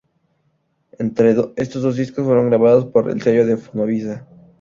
Estos dos discos fueron grabados para el sello Fonovisa.